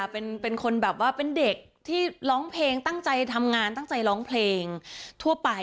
เป็นคนแบบว่าเป็นเด็กที่ร้องเพลงตั้งใจทำงานตั้งใจร้องเพลงทั่วไป